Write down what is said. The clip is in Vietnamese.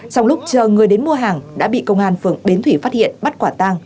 trong lúc chờ người đến mua hàng đã bị công an phường bến thủy phát hiện bắt quả tang